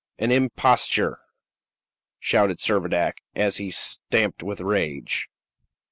"An imposture!" shouted Servadac, as he stamped with rage.